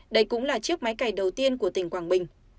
đây cũng là chiếc máy cày đầu tiên của tỉnh quảng bình